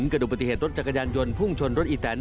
กระดูกปฏิเหตุรถจักรยานยนต์พุ่งชนรถอีแตน